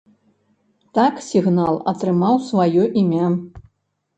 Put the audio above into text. Так сігнал атрымаў сваё імя.